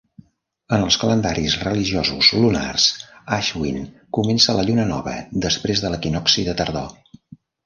En els calendaris religiosos lunars, Ashvin comença a la lluna nova després de l'equinocci de tardor.